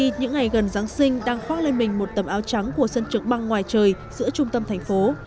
tỉnh giáng sinh đang khoa lên mình một tầm áo trắng của sân trượng băng ngoài trời giữa trung tâm thành phố